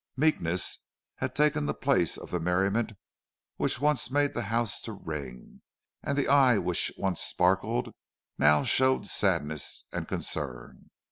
Meekness had taken the place of the merriment which once made the house to ring, and the eye which once sparkled now showed sadness and concern.